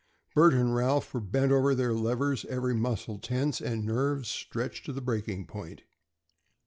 Bert and Ralph were bent over their levers, every muscle tense, and nerves stretched to the breaking point.